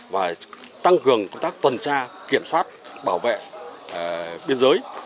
và tăng cường công tác tuần tra kiểm soát bảo vệ biên giới